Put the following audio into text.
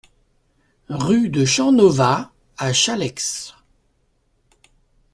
Rue de Champnovaz à Challex